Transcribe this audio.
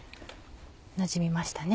なじみましたね。